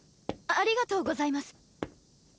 ありがとうございます。